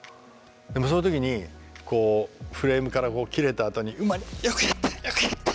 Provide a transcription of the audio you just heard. でもその時にこうフレームから切れたあとに馬に「よくやったよくやった！